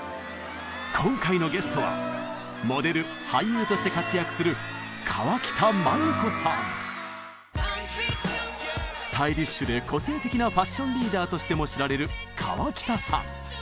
今回のゲストはモデル俳優として活躍するスタイリッシュで個性的なファッションリーダーとしても知られる河北さん。